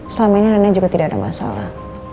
selama ini nenek juga tidak ada masalah